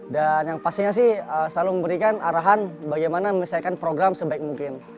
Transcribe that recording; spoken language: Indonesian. dan yang pastinya sih selalu memberikan arahan bagaimana menyelesaikan program sebaik mungkin